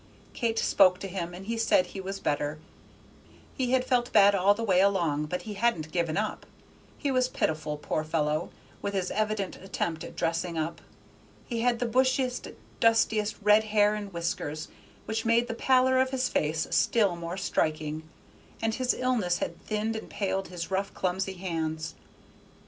Kate spoke to him, and he said he was better; he had felt bad all the way along, but he hadn't given up. He was pitiful, poor fellow, with his evident attempt at dressing up. He had the bushiest, dustiest red hair and whiskers, which made the pallor of his face still more striking, and his illness had thinned and paled his rough, clumsy hands.